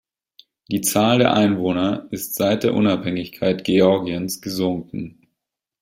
Die Zahl der Einwohner ist seit der Unabhängigkeit Georgiens gesunken.